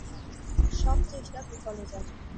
সব চেষ্টা বিফলে যায়।